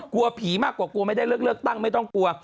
กลัวผีมากกว่ากลัวไม่ได้เลิกเลือกตั้งไม่ต้องกลัว